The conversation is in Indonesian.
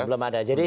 belum belum ada